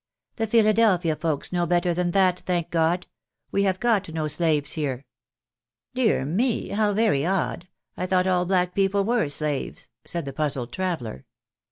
" The Philadelphia folks know better than that, thank God! We have got no slaves here." " Dear me, how very odd, I thought all black people were slaves ?" said the puzzled traveller.